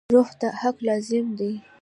روح ته حق لازم دی.